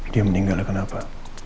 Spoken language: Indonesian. dia meninggal kenapa